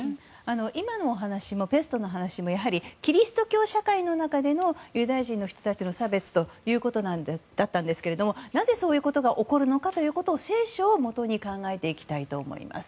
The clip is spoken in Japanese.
今のお話もペストのお話もキリスト教社会の中でのユダヤ人の人たちの差別ということだったんですがなぜ、そういうことが起こるのか聖書をもとに考えていきたいと思います。